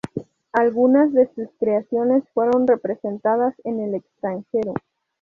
Algunas de sus creaciones fueron representadas en el extranjero.